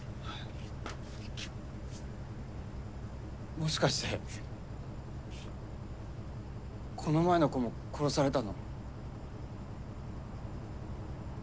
もしかしてこの前の子も殺されたの？